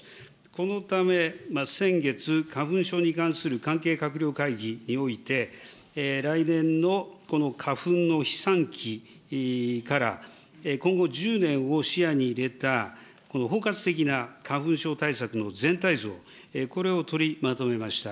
このため、先月、花粉症に関する関係閣僚会議において、来年のこの花粉の飛散期から、今後１０年を視野に入れた包括的な花粉症対策の全体像、これを取りまとめました。